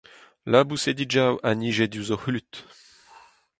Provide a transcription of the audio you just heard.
Labousedigoù a nije diouzh o c’hlud.